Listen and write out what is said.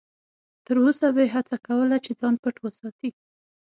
تر وسه به یې هڅه کوله چې ځان پټ وساتي.